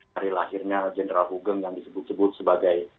hari lahirnya general hugeng yang disebut sebut sebagai